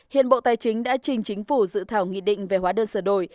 hiện bộ tài chính đã trình chính phủ dự thảo nghị định về hóa đơn sửa đổi